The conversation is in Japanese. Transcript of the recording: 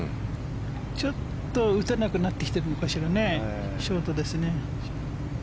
ちょっと打てなくなってきているかしらねショートですね。